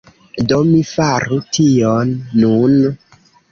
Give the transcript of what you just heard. Do mi faru tion nun.